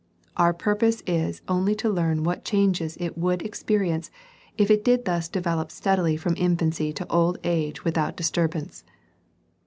Our purpose is only to learn what changes it would ex perience if it did thus develop steadily from infancy to old age without disturbance.